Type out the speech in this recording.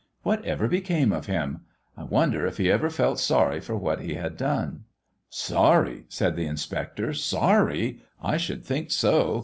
Whatever became of him? I wonder if he ever felt sorry for what he had done." "Sorry!" said the inspector "sorry! I should think so.